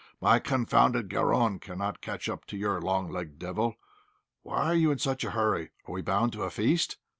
My confounded 'garron' cannot catch up your long legged devil. Why are you in such a hurry? Are we bound to a feast?